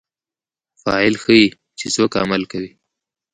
فاعل ښيي، چي څوک عمل کوي.